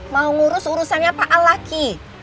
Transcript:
mau ngurus urusannya pak al lagi